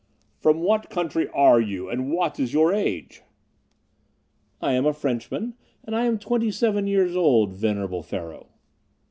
"From what country are you, and what is your age?" "I am a Frenchman, and I am twenty seven years old, venerable Pharaoh."